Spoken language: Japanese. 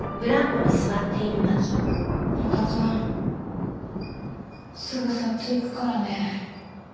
おばちゃんすぐそっち行くからね。